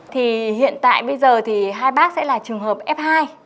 thì hiện tại bây giờ thì hai bác sẽ là trường hợp f hai